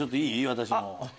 私も。